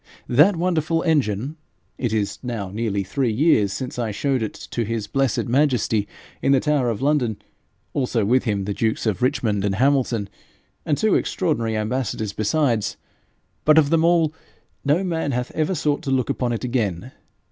That wonderful engine; it is now nearly three years since I showed it to his blessed majesty in the Tower of London, also with him to the dukes of Richmond and Hamilton, and two extraordinary ambassadors besides, but of them all no man hath ever sought to look upon it again.